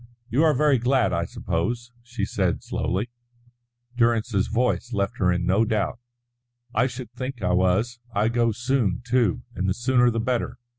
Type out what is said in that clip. "You are very glad, I suppose," she said slowly. Durrance's voice left her in no doubt. "I should think I was. I go soon, too, and the sooner the better.